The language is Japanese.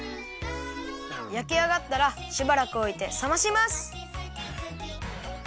やきあがったらしばらくおいてさまします！